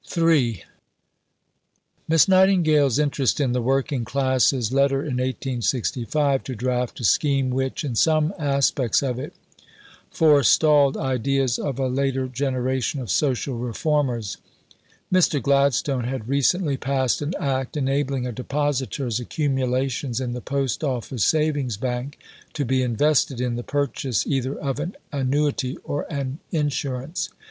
On this subject, see below, p. 133. III Miss Nightingale's interest in the working classes led her in 1865 to draft a scheme which, in some aspects of it, forestalled ideas of a later generation of social reformers. Mr. Gladstone had recently passed an Act enabling a depositor's accumulations in the Post Office Savings Bank to be invested in the purchase either of an Annuity or an Insurance.